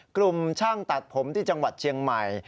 กลุ่มช่างตัดผมที่จังหวัดเชียงใหม่